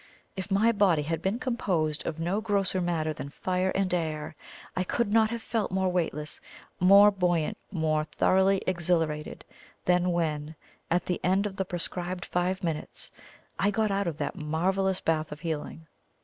If my body had been composed of no grosser matter than fire and air, I could not have felt more weightless, more buoyant, more thoroughly exhilarated than when, at the end of the prescribed five minutes, I got out of that marvellous bath of healing!